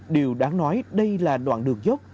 điều đáng nói đây là đoạn đường dốc